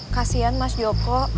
kasian mas joko